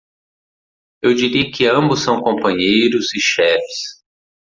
Eu diria que ambos são companheiros e chefes.